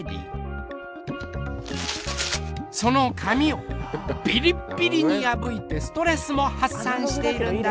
その紙をビリッビリに破いてストレスも発散しているんだそうです。